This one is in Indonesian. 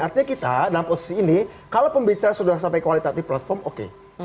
artinya kita dalam posisi ini kalau pembicara sudah sampai kualitatif platform oke